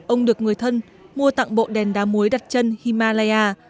ông được người thân mua tặng bộ đèn đá muối đặt chân himalaya